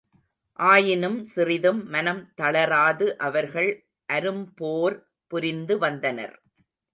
ஆயினும் சிறிதும் மனம்தளராது அவர்கள் அரும்போர் புரிந்துவந்தனர்.